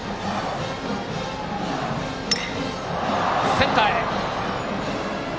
センターへ。